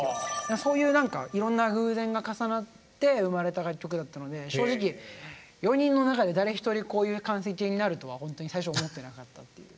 そういう何かいろんな偶然が重なって生まれた楽曲だったので正直４人の中で誰一人こういう完成形になるとはほんとに最初思ってなかったっていう。